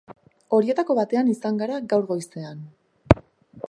Horietako batean izan gara gaur goizean.